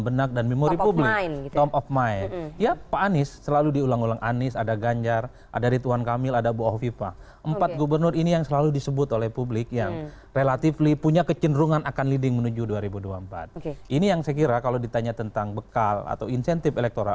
bidikan nasdem untuk nanti